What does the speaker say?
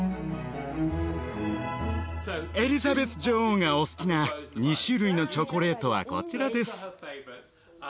エリザベス女王がお好きな２種類のチョコレートはこちらです。